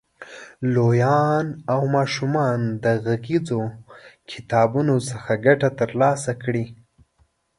لویان او ماشومان د غږیزو کتابونو څخه ګټه تر لاسه کړي.